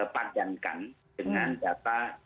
padankan dengan data